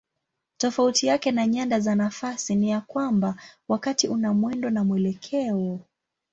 Tofauti yake na nyanda za nafasi ni ya kwamba wakati una mwendo na mwelekeo.